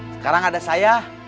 sekarang ada saya